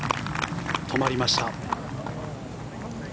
止まりました。